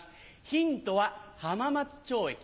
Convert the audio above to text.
ヒントは浜松町駅。